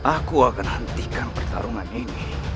aku akan hentikan pertarungan ini